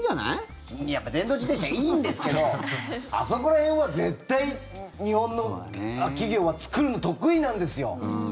いや、電動自転車いいんですけどあそこら辺は絶対、日本の企業は作るの得意なんですよ。